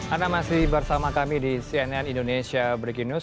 anda masih bersama kami di cnn indonesia breaking news